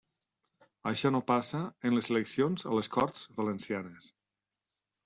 Això no passa en les eleccions a les Corts Valencianes.